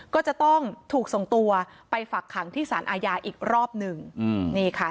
ก็จะต้องถูกส่งตัวไปฝักขังที่สารอาญาอีกรอบหนึ่งอืมนี่ค่ะ